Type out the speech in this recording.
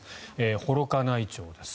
幌加内町です。